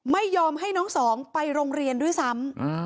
ไม่ยอมให้น้องสองไปโรงเรียนด้วยซ้ำ